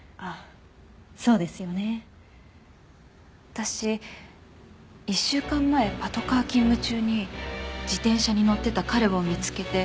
私１週間前パトカー勤務中に自転車に乗ってた彼を見つけて。